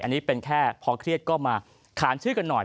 อันนี้เป็นแค่พอเครียดก็มาขานชื่อกันหน่อย